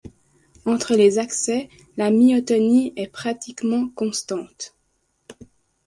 Entre les accès la myotonie est pratiquement constante.